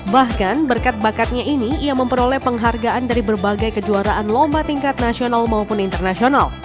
bahkan berkat bakatnya ini ia memperoleh penghargaan dari berbagai kejuaraan lomba tingkat nasional maupun internasional